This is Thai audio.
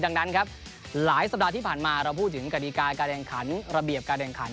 ดังนั้นครับหลายสัปดาห์ที่ผ่านมาเราพูดถึงกฎิกาการแข่งขันระเบียบการแข่งขัน